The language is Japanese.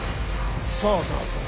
そうそうそう。